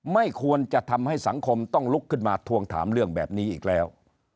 ไม่ควรจะทำให้สังคมต้องลุกขึ้นมาทวงถามเรื่องแบบนี้อีกแล้ว